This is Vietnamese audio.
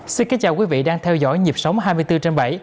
xin kính chào quý vị đang theo dõi nhịp sống hai mươi bốn trên bảy